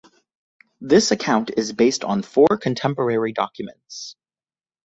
This account is based on four contemporary documents.